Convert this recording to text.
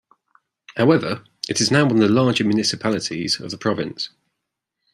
However, it is now one of the larger municipalities of the province.